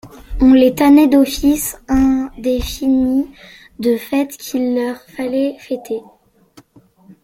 On les tannait d'offices indéfinis, de fêtes qu'il leur fallait fêter.